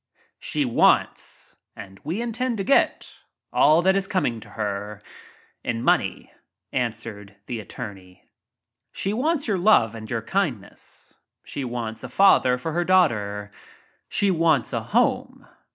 "She wants — and we intend to get — all that is coming to her — in money," answered the attorney. "She wants your love and your kindness — she wants a father for her daughter — she wants a home.